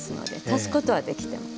足すことはできても。